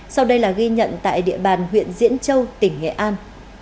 sau đây là ghi nhận tại địa bàn huyện diễn châu tỉnh nghệ an